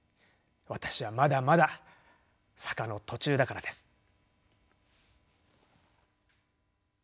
私はまだまだ坂の途中だからです。